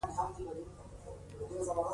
پلار يې بيا ور ودانګل.